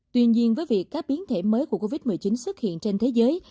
tuy nhiên với việc các biến thể mới của covid một mươi chín xuất hiện trên thế giới